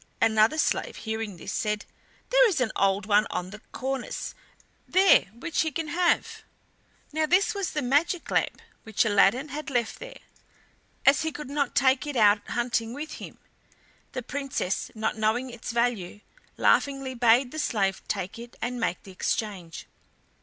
Another slave, hearing this, said, "There is an old one on the cornice there which he can have." Now this was the magic lamp, which Aladdin had left there, as he could not take it out hunting with him. The Princess, not knowing its value, laughingly bade the slave take it and make the exchange.